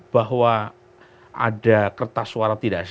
bahwa ada kertas suara tidak